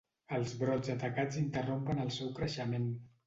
Els brots atacats interrompen el seu creixement.